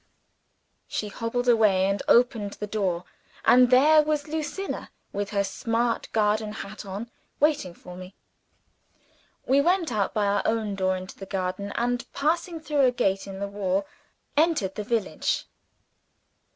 She hobbled away, and opened the door and there was Lucilla, with her smart garden hat on, waiting for me. We went out by our own door into the garden, and passing through a gate in the wall, entered the village.